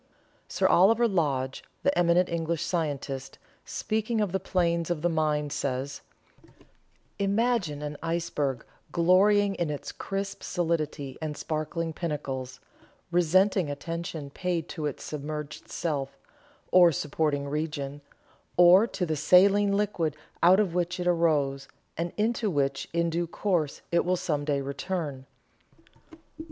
Sir Oliver Lodge, the eminent English scientist, speaking of the planes of the mind, says: "Imagine an iceberg glorying in its crisp solidity, and sparkling pinnacles, resenting attention paid to its submerged self, or supporting region, or to the saline liquid out of which it arose, and into which in due course it will some day return.